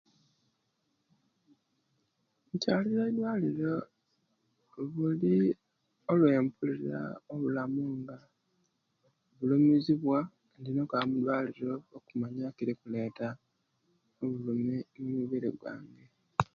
Nkyalira eidwaliro buli owempulira obulamu nga bulumiziwa inina okwaba mudwaliro okumanya ekiri okuleta obulumi omubiri gwange